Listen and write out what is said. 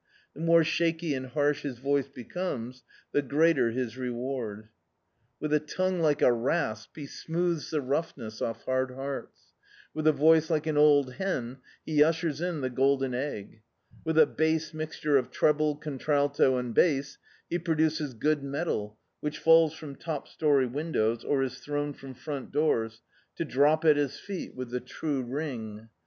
The more shaky and harsh bis voice becomes, the greater his reward. With a tongue like a rasp he smoothes the rou^mess off hard hearts. With a voice like an old hen he ushers in the golden e^. With a base mixture of treble, contralto and bass, he produces good metal which falls from top story windows, or is thrown from front doors, to drop at his feet with the true ring.